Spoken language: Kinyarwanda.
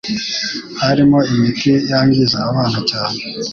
Harimo imiti yangiza abana cyane